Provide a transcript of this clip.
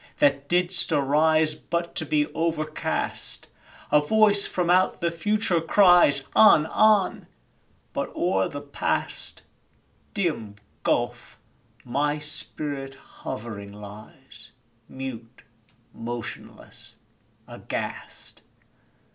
that didst arise But to be overcast! A voice from out the future cries, "On! on!" but o'er the Past (Dim gulf!) my spirit hovering lies Mute, motionless, aghast!